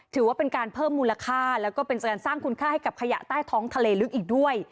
ถือว่าเป็นการเพิ่มมูลค่าแล้วก็เป็นการสร้างคุณค่าให้กับขยะใต้ท้องทะเลลึกอีกด้วย